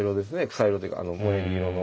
草色というかもえぎ色の。